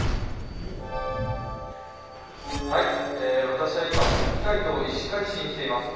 私は今北海道石狩市に来ています。